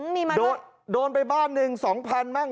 มีมั้ยว่าโดนไปบ้านหนึ่ง๒๐๐๐บ้าน